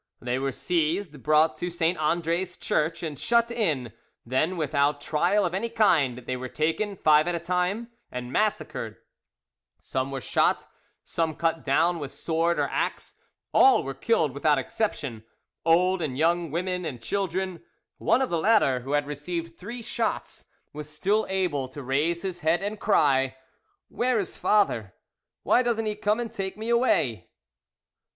They were seized, brought to St. Andre's Church and shut in; then, without trial of any kind,—they were taken, five at a time, and massacred: some were shot and some cut down with sword or axe; all were killed without exception—old and young women and children. One of the latter, who had received three shots was still able to raise his head and cry, "Where is father? Why doesn't he come and take me away."